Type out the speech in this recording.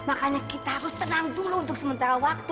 makanya kita harus tenang dulu untuk sementara waktu